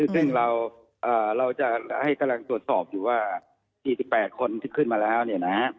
ซึ่งเราจะให้กำลังตรวจสอบอยู่ว่า๔๘คนที่ขึ้นมาแล้วเนี่ยนะฮะ